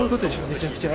めちゃくちゃ。